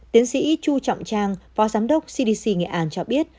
tiến sĩ chu trọng trang phó giám đốc cdc nghệ an cho biết